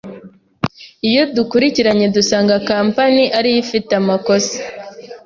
iyo dukurikiranye dusanga kampani ariyo ifite amakosa